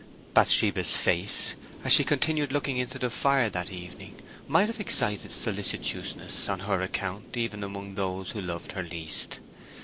Bathsheba's face, as she continued looking into the fire that evening, might have excited solicitousness on her account even among those who loved her least.